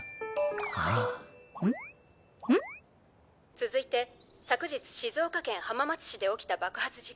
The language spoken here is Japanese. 続いて昨日静岡県浜松市で起きた爆発事故。